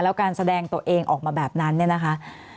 แล้วการแสดงตัวเองออกมาแบบนั้นเนี่ยนะคะ